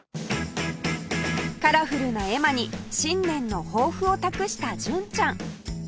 カラフルな絵馬に新年の抱負を託した純ちゃん